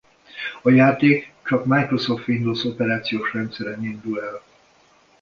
A játék csak Microsoft Windows operációs rendszeren indul el.